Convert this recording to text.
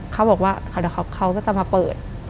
เขาบอกว่าเดี๋ยวเขาก็จะมาเปิด